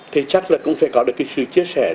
thì chắc là cũng phải có được cái sự chia sẻ